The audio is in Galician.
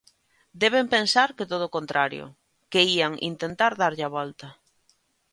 Deben pensar que todo o contrario, que ían intentar darlle a volta.